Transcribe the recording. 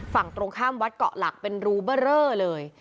ฝั่งตรงข้ามวัดเกาะหลักเป็นรูเบอร์เรอเลย